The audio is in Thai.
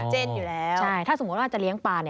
ใช่ไหมใช่ใช่ถ้าสมมุติว่าจะเลี้ยงปา